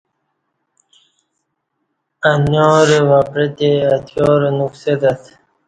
انیارہ وہ پعتے اتکیارہ نُکسہ تت